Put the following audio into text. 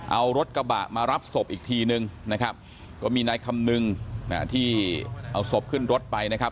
เอารถกระบะมารับศพอีกทีนึงนะครับก็มีนายคำนึงที่เอาศพขึ้นรถไปนะครับ